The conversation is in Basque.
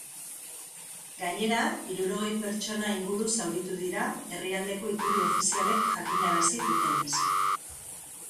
Gainera, hirurogei pertsona inguru zauritu dira, herrialdeko iturri ofizialek jakinarazi dutenez.